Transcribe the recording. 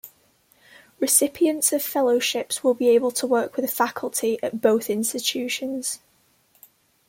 Recipients of Fellowships will be able to work with faculty at both institutions.